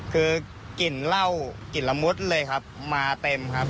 คือกลิ่นเหล้ากลิ่นละมุดเลยครับมาเต็มครับ